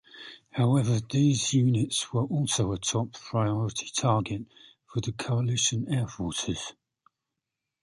However, these units were also a top priority target for the coalition air forces.